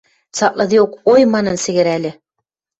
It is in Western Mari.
Цаклыдеок «Ой!» манын сӹгӹрӓльӹ.